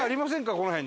この辺に。